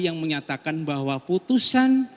yang menyatakan bahwa putusan